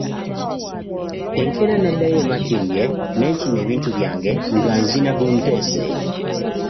Enkeera naddayo e Makindye ne nkima ebintu byange nga nzina gunteese.